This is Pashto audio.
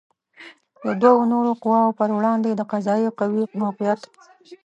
د دوو نورو قواوو پر وړاندې د قضائیه قوې موقعیت